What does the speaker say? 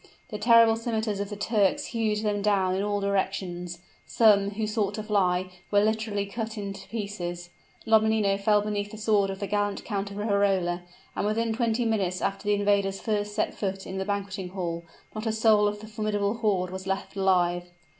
The terrible scimiters of the Turks hewed them down in all directions; some, who sought to fly, were literally cut to pieces. Lomellino fell beneath the sword of the gallant Count of Riverola; and within twenty minutes after the invaders first set foot in the banqueting hall, not a soul of the formidable horde was left alive!